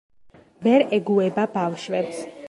ვერ ეგუება ბავშვებს.